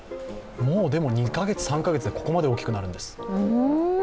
もうでも２か月、３か月でここまで大きくなるんです。